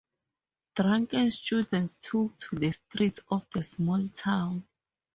Drunken students took to the streets of the small town.